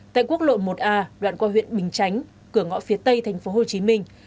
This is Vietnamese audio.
tại quốc lộ một a đoạn qua huyện bình chánh cửa ngõ phía tây thành phố hồ chí minh